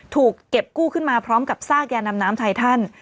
ถูกเก็บกู้ขึ้นมาพร้อมกับซากยานำน้ำไททัน